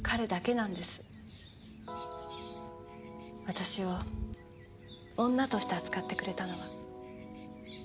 私を女として扱ってくれたのは。